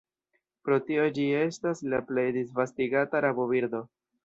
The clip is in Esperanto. Pro tio ĝi estas la plej disvastigata rabobirdo.